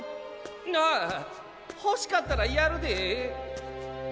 あほしかったらやるで！